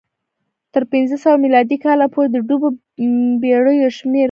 تر پنځه سوه میلادي کاله پورې د ډوبو بېړیو شمېر کم شو